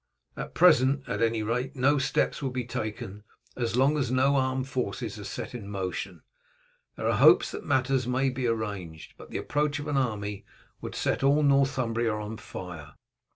At present, at any rate, no steps will be taken. As long as no armed forces are set in motion there are hopes that matters may be arranged, but the approach of an army would set all Northumbria on fire.